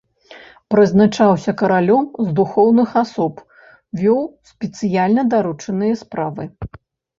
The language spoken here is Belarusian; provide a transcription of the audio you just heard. Прызначаўся каралём з духоўных асоб, вёў спецыяльна даручаныя справы.